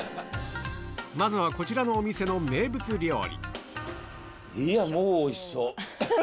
まずはこちらのお店の名物料理